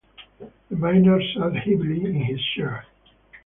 The miner sat heavily in his chair.